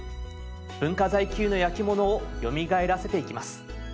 文化財級の焼き物をよみがえらせていきます。